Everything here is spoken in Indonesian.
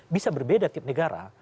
bisa berbeda tiap negara